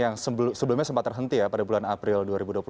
yang sebelumnya sempat terhenti ya pada bulan april dua ribu dua puluh satu